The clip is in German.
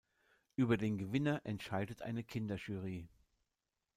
Über den Gewinner entscheidet eine Kinderjury.